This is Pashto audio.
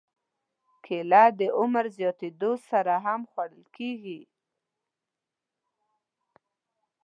کېله د عمر زیاتېدو سره هم خوړل کېږي.